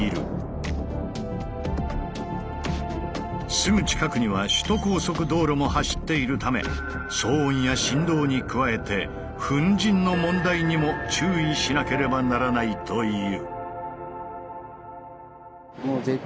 すぐ近くには首都高速道路も走っているため騒音や振動に加えて粉じんの問題にも注意しなければならないという。